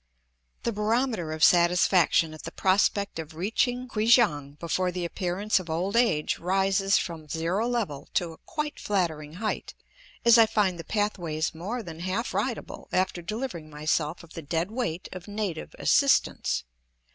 The barometer of satisfaction at the prospect of reaching Kui kiang before the appearance of old age rises from zero level to a quite flattering height, as I find the pathways more than half ridable after delivering myself of the dead weight of native "assistance."